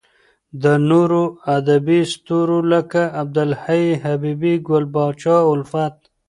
د نورو ادبې ستورو لکه عبد الحی حبیبي، ګل پاچا الفت .